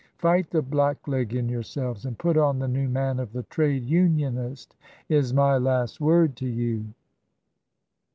Fight the Black leg in yourselves, and put on the new man of the Trade Unionist, is my last word to you."